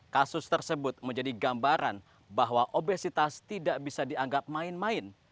kasus tersebut menjadi gambaran bahwa obesitas tidak bisa dianggap main main